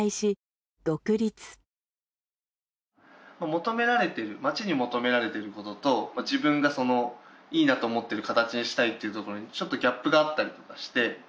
求められている町に求められていることと自分がいいなと思っている形にしたいっていうところにちょっとギャップがあったりとかして。